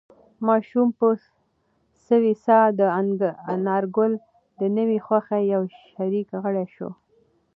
ماشوم په سوې ساه د انارګل د نوې خوښۍ یو شریک غړی شو.